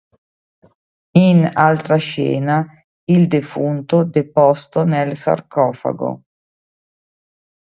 In altra scena, il defunto deposto nel sarcofago.